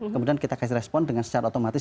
kemudian kita kasih respon dengan secara otomatis